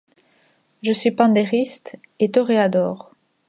Je suis pandériste et toréador